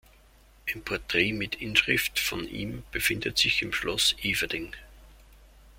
Ein Porträt mit Inschrift von ihm befindet sich im Schloss Eferding.